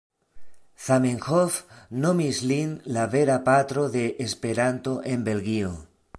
Zamenhof nomis lin "la vera patro de Esperanto en Belgio".